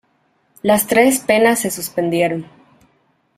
Las tres penas se suspendieron.